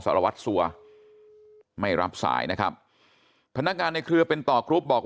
สารวัตรสัวไม่รับสายนะครับพนักงานในเครือเป็นต่อกรุ๊ปบอก